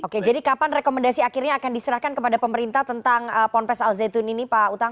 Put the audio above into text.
oke jadi kapan rekomendasi akhirnya akan diserahkan kepada pemerintah tentang pondok pesantren al zaitun ini